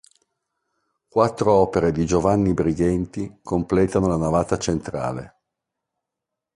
Quattro opere di Giovanni Brighenti completano la navata centrale.